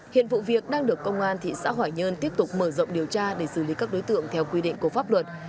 hiện vụ việc đang được công an thị xã hoài nhơn tiếp tục mở rộng điều tra để xử lý các đối tượng theo quy định của pháp luật